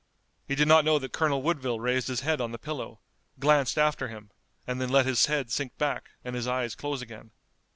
He did not know that Colonel Woodville raised his head on the pillow, glanced after him, and then let his head sink back and his eyes close again.